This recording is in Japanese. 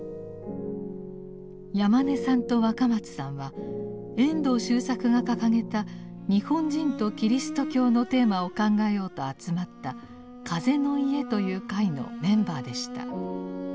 山根さんと若松さんは遠藤周作が掲げた日本人とキリスト教のテーマを考えようと集まった「風の家」という会のメンバーでした。